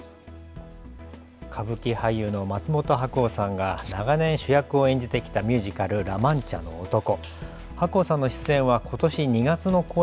歌舞伎俳優の松本白鸚さんが長年、主役を演じてきたミュージカル、ラ・マンチャの男。